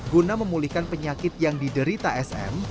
guna memulihkan penyakit yang diderita sm